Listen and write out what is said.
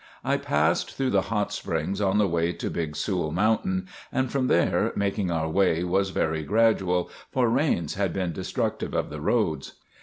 I passed through the Hot Springs on the way to Big Sewell Mountain; and from there, making our way was very gradual, for rains had been destructive of the roads.